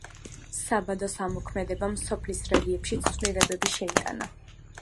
საბადოს ამოქმედებამ სოფლის რელიეფში ცვლილებები შეიტანა.